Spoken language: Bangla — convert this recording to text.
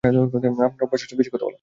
আপনার অভ্যাস হচ্ছে বেশি কথা বলা!